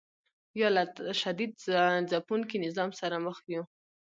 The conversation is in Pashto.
یا له شدید ځپونکي نظام سره مخ یو.